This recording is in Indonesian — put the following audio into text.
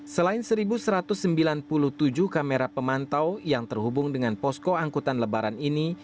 selain satu satu ratus sembilan puluh tujuh kamera pemantau yang terhubung dengan posko angkutan lebaran ini